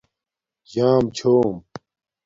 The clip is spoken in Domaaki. جݳم چھُوم